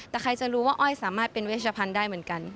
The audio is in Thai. แต่ใครจะรู้ว่าอ้อยสามารถเป็นเวชพันธุ์ได้เหมือนกัน